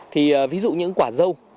thì ví dụ những quả dâu